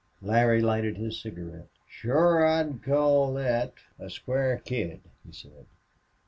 Larry lighted his cigarette. "Shore I'd call thet a square kid," he said.